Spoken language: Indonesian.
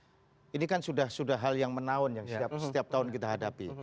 aku yakin karena pertama ini kan sudah sudah hal yang menaun yang setiap setiap setiap tahun kita hadapi